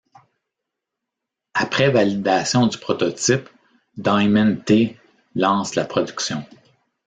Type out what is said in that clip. Après validation du prototype, Diamond T lance la production.